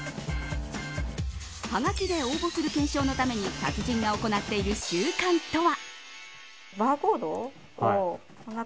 はがきで応募する懸賞のために達人が行っている習慣とは。